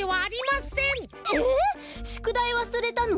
えっしゅくだいわすれたの！？